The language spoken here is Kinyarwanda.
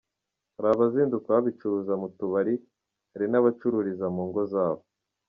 Hari abazinduka babicuruza mu tubari, hari n’abacururiza mu ngo zabo”.